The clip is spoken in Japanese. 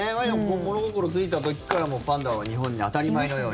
物心ついた時からパンダは日本に当たり前のように。